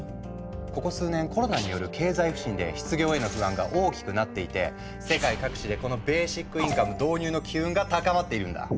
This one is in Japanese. ここ数年コロナによる経済不振で失業への不安が大きくなっていて世界各地でこのベーシックインカム導入の機運が高まっているんだ。